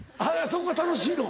そこが楽しいの？